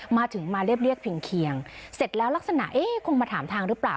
มาถึงมาเรียบเพียงเคียงเสร็จแล้วลักษณะเอ๊ะคงมาถามทางหรือเปล่า